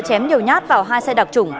chém nhiều nhát vào hai xe đặc trủng